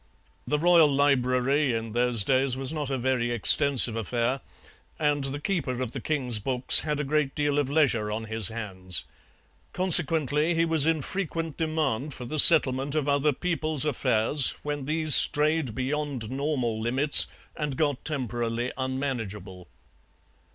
The royal library in those days was not a very extensive affair, and the keeper of the king's books had a great deal of leisure on his hands. Consequently he was in frequent demand for the settlement of other people's affairs when these strayed beyond normal limits and got temporarily unmanageable.